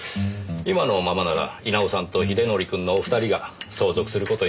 今のままなら稲尾さんと英則くんのお二人が相続する事になるでしょうねえ。